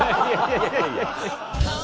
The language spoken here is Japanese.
いやいや。